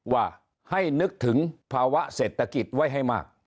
ว่าให้นึกถึงภาวะเศรษฐกิจไว้ให้มาก